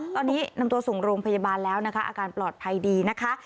ตอนนี้นำตัวส่งโรงพยาบาลแล้วนะคะอาการปลอดภัยดีนะคะ